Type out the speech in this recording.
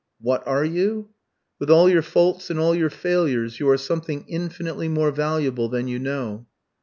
"What are you? With all your faults and all your failures, you are something infinitely more valuable than you know."